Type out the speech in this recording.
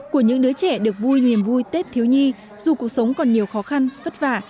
của những đứa trẻ được vui niềm vui tết thiếu nhi dù cuộc sống còn nhiều khó khăn vất vả